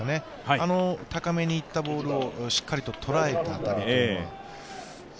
あの高めにいったボールをしっかりとらえた当たりというのは。